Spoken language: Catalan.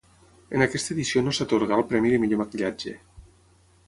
En aquesta edició no s'atorgà el premi de millor maquillatge.